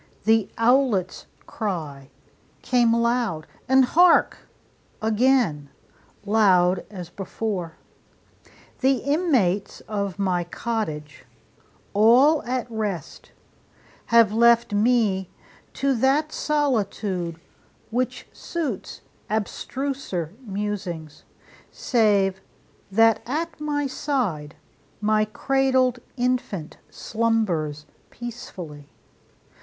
The owlet's cry Came loud and hark, again! loud as before. The inmates of my cottage, all at rest, Have left me to that solitude, which suits Abstruser musings: save that at my side My cradled infant slumbers peacefully.